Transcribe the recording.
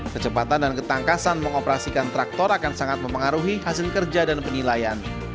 kecepatan dan ketangkasan mengoperasikan traktor akan sangat mempengaruhi hasil kerja dan penilaian